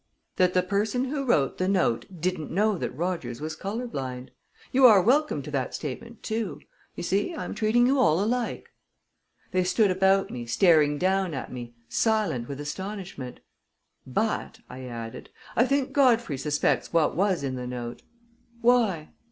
"That the person who wrote the note didn't know that Rogers was color blind. You are welcome to that statement, too. You see, I'm treating you all alike." They stood about me, staring down at me, silent with astonishment. "But," I added, "I think Godfrey suspects what was in the note." "Why?"